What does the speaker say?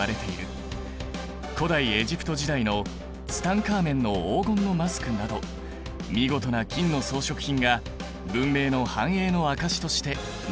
古代エジプト時代のツタンカーメンの黄金のマスクなど見事な金の装飾品が文明の繁栄の証しとして残されてきた。